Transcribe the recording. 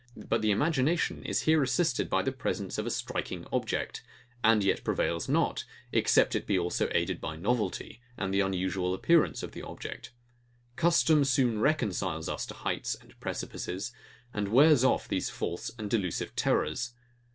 But the imagination is here assisted by the presence of a striking object; and yet prevails not, except it be also aided by novelty, and the unusual appearance of the object. Custom soon reconciles us to heights and precipices, and wears off these false and delusive terrors.